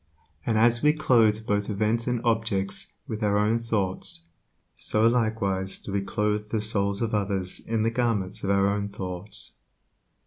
And as we clothe both events and objects with our own thoughts, so likewise do we clothe the souls of others in the garments of our thoughts.